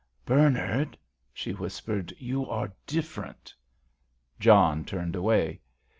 "Bernard," she whispered, "you are different." John turned away.